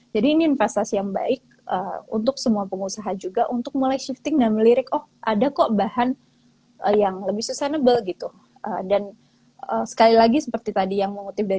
jadi ini investasi yang baik untuk semua pengusaha juga untuk mulai shifting